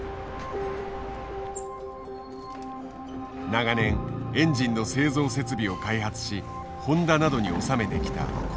長年エンジンの製造設備を開発しホンダなどに納めてきたこの会社。